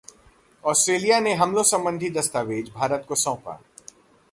Australia ने हमलों संबंधी दस्तावेज भारत को सौंपा